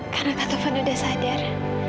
karena kak taufan sudah sadar